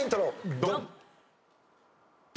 ドン！